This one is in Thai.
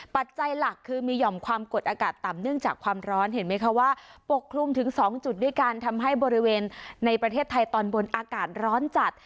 ปัจจัยหลักคือมีห่อมความกดอากาศต่ำเนื่องจากความร้อนเห็นไหมคะว่าปกคลุมถึง๒จุดด้วยกันทำให้บริเวณในประเทศไทยตอนบนอากาศร้อนจัด